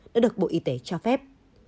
đã được bộ y tế cho phép